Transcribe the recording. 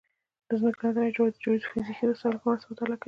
د ځمکې لاندې جوړښت د جیوفزیکي وسایلو په مرسته مطالعه کوي